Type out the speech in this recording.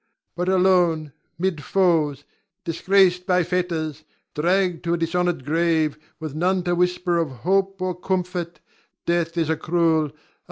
But alone, 'mid foes, disgraced by fetters, dragged to a dishonored grave, with none to whisper of hope or comfort, death is a cruel, a most bitter foe.